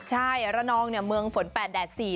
ใช่รัดนองเนี่ยเมืองฝนแปดแดดสี่